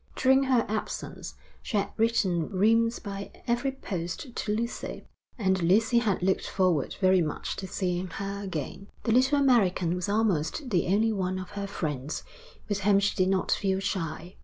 During her absence she had written reams by every post to Lucy, and Lucy had looked forward very much to seeing her again. The little American was almost the only one of her friends with whom she did not feel shy.